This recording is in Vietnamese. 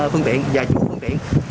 phương tiện và chủ phương tiện